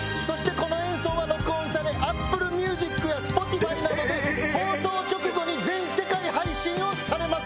この演奏は録音されＡｐｐｌｅＭｕｓｉｃやＳｐｏｔｉｆｙなどで放送直後に全世界配信されます。